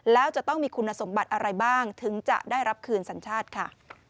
แล้วจะต้องมีคุณสมบัติอะไรบ้างถึงจะได้รับคืนสัญชาติค่ะ